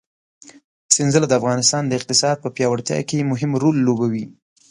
سنځله د افغانستان د اقتصاد په پیاوړتیا کې مهم رول لوبوي.